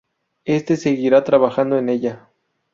Éste seguirá trabajando en ella.